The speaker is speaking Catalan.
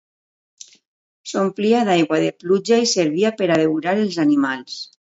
S'omplia d'aigua de pluja i servia per abeurar els animals.